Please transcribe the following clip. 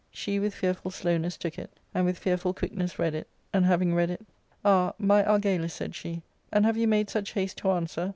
She with fearful slowness took it, and with fearful quickness read it, and having read it, '* Ah, my Ar galus," said she, " and have you made such haste to answer